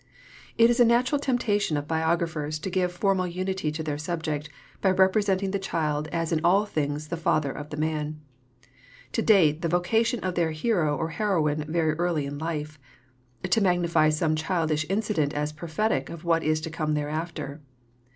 It is a natural temptation of biographers to give a formal unity to their subject by representing the child as in all things the father of the man; to date the vocation of their hero or heroine very early in life; to magnify some childish incident as prophetic of what is to come thereafter.